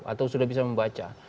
atau sudah bisa membaca